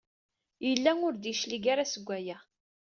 Yella ur d-yeclig ara seg waya.